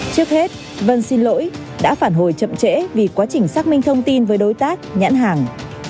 trước hết vân xin lỗi đã phản hồi chậm trễ vì quá trình xác minh thông tin với đối tác nhãn hàng